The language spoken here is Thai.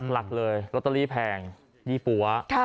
หลักเลยลอตเตอรี่แพงยี่ปั๊ว